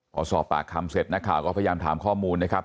พอสอบปากคำเสร็จนักข่าวก็พยายามถามข้อมูลนะครับ